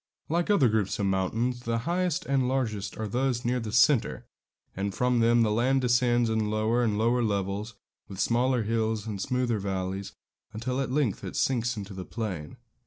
Like other groups of mountains, the highest and largest are those near the centre, and from them the land descends in lower and lower levels, with smaller hills and smoother valleys, until at length it sinks into the plain.